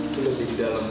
itu lebih di dalam